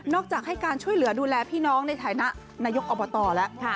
จากให้การช่วยเหลือดูแลพี่น้องในฐานะนายกอบตแล้ว